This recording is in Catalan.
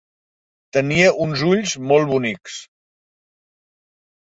Tenia uns ulls molt bonics.